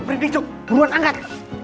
berhenti cuk buruan angkat